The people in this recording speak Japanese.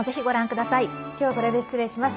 今日はこれで失礼します。